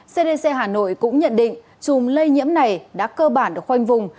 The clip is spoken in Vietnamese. cdc hà nội cũng nhận định chùm lây nhiễm này đã cơ bản được khoanh vùng